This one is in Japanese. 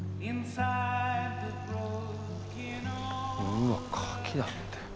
うわ「かき」だって。